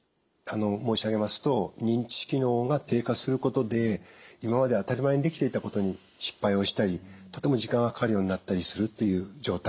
申し上げますと認知機能が低下することで今まで当たり前にできていたことに失敗をしたりとても時間がかかるようになったりするという状態。